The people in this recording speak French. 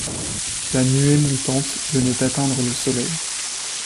La nuée montante venait d’atteindre le soleil.